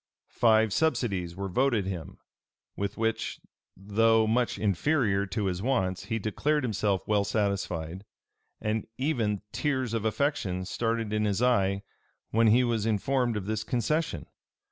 Five subsidies were voted him; with which, though much inferior to his wants, he declared himself well satisfied; and even tears of affection started in his eye when he was informed of this concession.